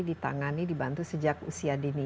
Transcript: ditangani dibantu sejak usia dini